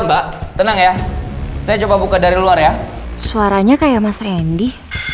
mbak tenang ya saya coba buka dari luar ya suaranya kayak mas randy